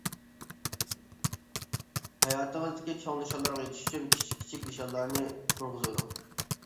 ھاياتىڭىزدىكى چوڭ نىشانلارغا يېتىش ئۈچۈن كىچىك-كىچىك نىشانلارنى تۇرغۇزۇۋېلىڭ.